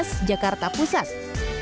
kota jakarta menjadi rumah bagi setiap orang